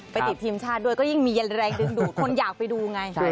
ไปติดทีมชาติด้วยก็ยิ่งมีแรงดึงคนอยากไปดูไง